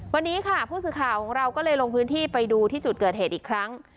วันนี้ค่ะผู้สื่อข่าวของเราก็เลยลงพื้นที่ไปดูที่จุดเกิดเหตุอีกครั้ง